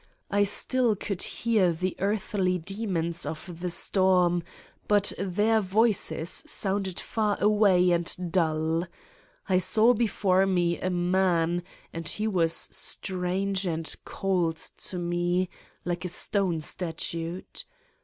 I still could hear the earthly demons of the storm, but their voices sounded far away and dull. I saw before me a man and he was strange and cold to me, like a stone statue.